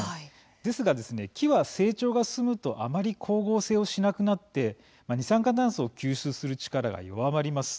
ですが、木は成長が進むとあまり光合成をしなくなって二酸化炭素を吸収する力が弱まります。